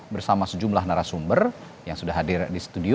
bersama sejumlah narasumber yang sudah hadir di studio